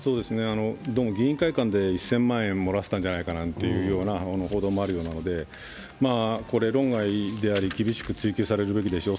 どうも議員会館で１０００万円もらっていたんじゃないかというような報道もあるのでこれは論外であり厳しく追及されるべきでしょう。